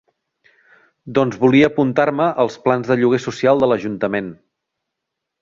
Doncs volia apuntar-me als plans de lloguer social de l'ajuntament.